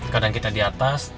kadang kita di atas